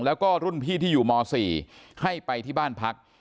แล้วก็รุ่นพี่ที่อยู่ม๔ให้ไปที่บ้านพัก